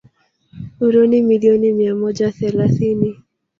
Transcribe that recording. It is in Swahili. uro milioni mia moja thelathini